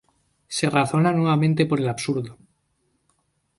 Se razona nuevamente por el absurdo.